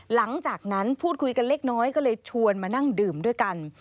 หลังจากนั้นพูดคุยกันเล็กน้อยก็เลยชวนมานั่งดื่มด้วยกัน